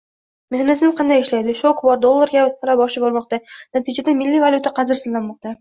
Mexanizm qanday ishlaydi? Shok bor, dollar talabi oshib bormoqda, natijada milliy valyuta qadrsizlanmoqda